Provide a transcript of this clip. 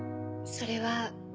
それは。